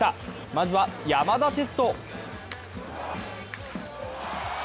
まずは、山田哲人。